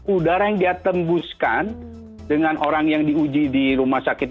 udara yang dia tembuskan dengan orang yang diuji di rumah sakit